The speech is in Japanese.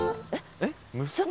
えっ？